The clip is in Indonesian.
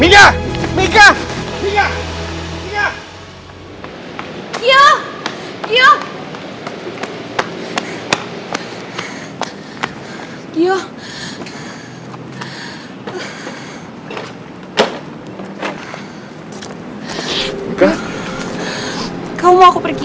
kamu mau aku pergi